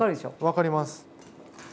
分かります。